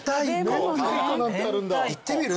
いってみる？